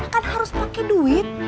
kan harus pake duit